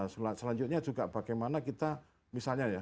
selanjutnya juga bagaimana kita misalnya ya